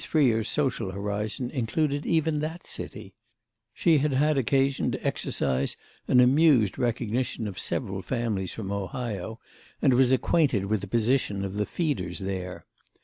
Freer's social horizon included even that city; she had had occasion to exercise an amused recognition of several families from Ohio and was acquainted with the position of the Feeders there.